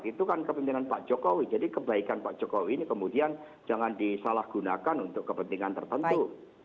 itu kan kepimpinan pak jokowi jadi kebaikan pak jokowi ini kemudian jangan disalahgunakan untuk kepentingan tertentu